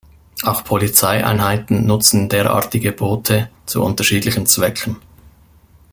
Auch Polizeieinheiten nutzen derartige Boote zu unterschiedlichen Zwecken.